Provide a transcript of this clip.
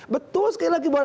betul sekali lagi